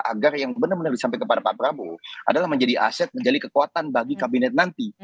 agar yang benar benar disampaikan kepada pak prabowo adalah menjadi aset menjadi kekuatan bagi kabinet nanti